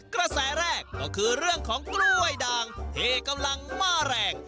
กระแสแรกก็คือเรื่องของกล้วยด่างที่กำลังมาแรง